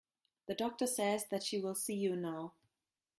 The doctor says that she will see you now.